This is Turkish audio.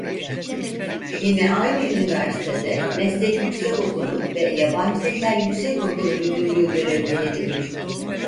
Yine aynı üniversitede Meslek Yüksekokulu ve Yabancı Diller Yüksekokulu Müdürlüğü görevlerini yürüttü.